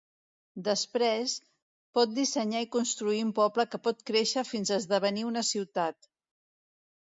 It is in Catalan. Després, pot dissenyar i construir un poble que pot créixer fins a esdevenir una ciutat.